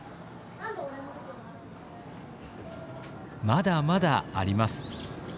まだまだあります。